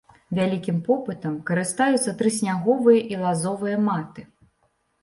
Вялікім попытам карыстаюцца трысняговыя і лазовыя маты.